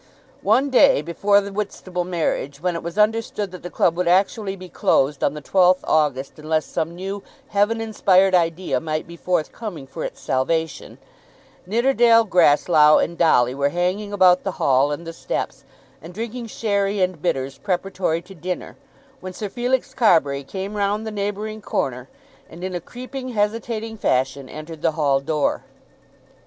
One day, before the Whitstable marriage, when it was understood that the club would actually be closed on the 12th August unless some new heaven inspired idea might be forthcoming for its salvation, Nidderdale, Grasslough, and Dolly were hanging about the hall and the steps, and drinking sherry and bitters preparatory to dinner, when Sir Felix Carbury came round the neighbouring corner and, in a creeping, hesitating fashion, entered the hall door.